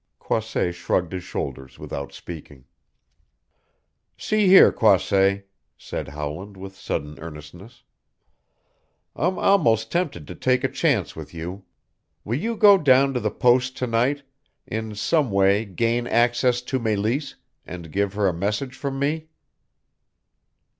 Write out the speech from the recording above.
Croisset shrugged his shoulders without speaking. "See here, Croisset," said Howland with sudden earnestness, "I'm almost tempted to take a chance with you. Will you go down to the post to night, in some way gain access to Meleese, and give her a message from me?"